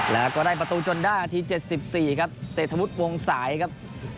แล้วก็ได้ประตูจนด้าที่๗๔ครับเสธวุดวงสายครับ